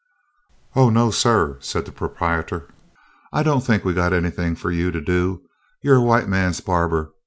"Oh, no, suh," said the proprietor, "I don't think we got anything fu' you to do; you 're a white man's bahbah.